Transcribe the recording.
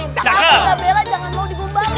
takut ustadz abela jangan mau digombali